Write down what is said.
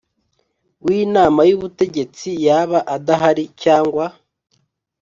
W inama y ubutegetsi yaba adahari cyangwa